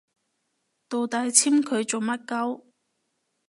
到底簽佢做乜 𨳊